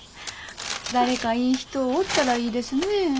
誰かいい人おったらいいですねえ。